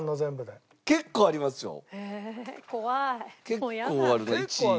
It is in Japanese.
結構ある。